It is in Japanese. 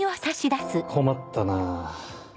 困ったなぁ。